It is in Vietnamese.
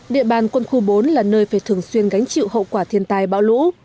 địa bàn quân khu bốn là nơi phải thường xuyên gánh chịu hậu quả thiên tai bão lũ